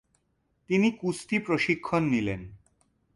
তিনি কুস্তি প্রশিক্ষণ নিলেন।